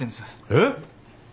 えっ？